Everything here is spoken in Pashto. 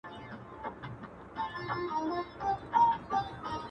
څوک د هدف مخته وي. څوک بيا د عادت مخته وي.